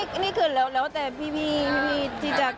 ก็นี่คือแล้วแต่พี่ที่จะเขตค่ะ